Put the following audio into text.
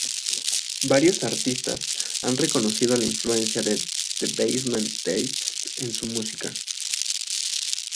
Varios artistas han reconocido la influencia de "The Basement Tapes" en su música.